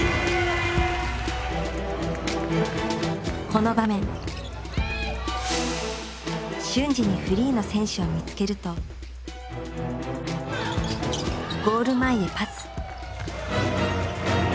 この場面瞬時にフリーの選手を見つけるとゴール前へパス。